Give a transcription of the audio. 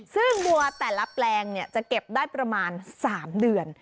ซึ่งบัวแต่ละแปลงจะเก็บได้ประมาณ๓เดือน